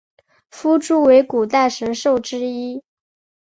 夫诸为古代神兽之一。